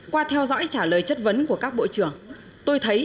qua theo dõi trả lời chất vấn của các bộ trưởng tôi thấy